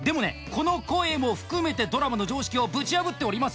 この声も含めてドラマの常識をぶち破っております